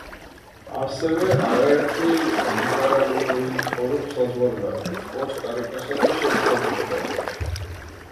ასევე არაერთი ნიკარაგუელი ცხოვრობს საზღვარგარეთ, კოსტა-რიკასა და შეერთებულ შტატებში.